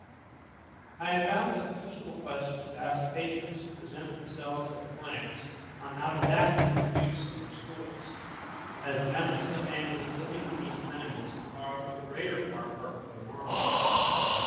I have found that the usual questions asked patients who present themselves at the clinics, are not adapted for use in our schools, as the members of the families living in these tenements are for the greater part perfectly normal.